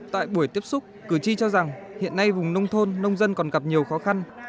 tại buổi tiếp xúc cử tri cho rằng hiện nay vùng nông thôn nông dân còn gặp nhiều khó khăn